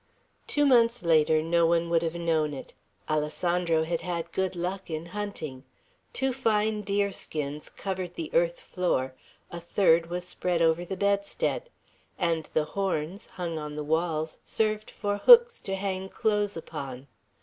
Two months later, no one would have known it. Alessandro had had good luck in hunting. Two fine deerskins covered the earth floor; a third was spread over the bedstead; and the horns, hung on the walls, served for hooks to hang clothes upon.